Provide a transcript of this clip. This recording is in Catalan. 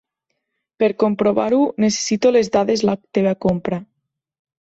Per comprovar-ho necessito les dades la teva compra.